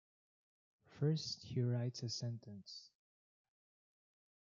First he writes a sentence.